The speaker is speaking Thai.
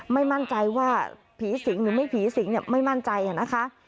ไม่มั่นใจว่าผีสิงหรือไม่ผีสิงไม่มั่นใจนะคะ